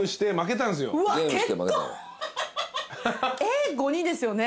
えっ５人ですよね？